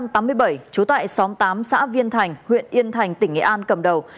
trú tại xóm tám xã viên thành huyện yên thành tỉnh nghệ an cầm đầu